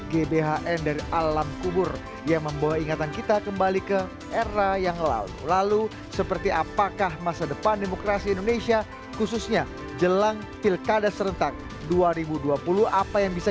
kami adalah presiden dan wakil presiden seluruh rakyat indonesia